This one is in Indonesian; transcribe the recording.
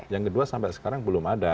yang kedua sampai sekarang belum ada